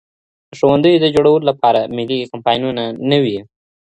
د ښوونځیو د جوړولو لپاره ملي کمپاینونه نه وو.